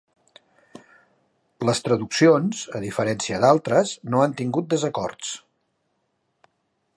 Les traduccions, a diferència d'altres, no han tingut desacords.